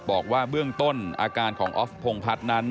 บอกว่าเบื้องต้นอาการของออฟพงพัฒน์นั้น